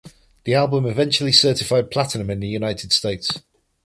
The album eventually certified platinum in the United States.